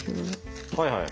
はいはい。